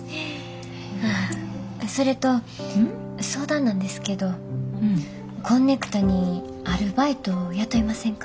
それと相談なんですけどこんねくとにアルバイト雇いませんか？